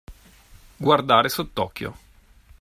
Guardare sott'occhio.